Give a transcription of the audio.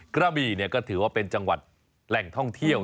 กระบี่ก็ถือว่าเป็นจังหวัดแหล่งท่องเที่ยว